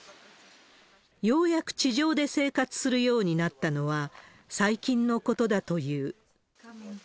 ようやく地上で生活するようになったのは、最近のことだという。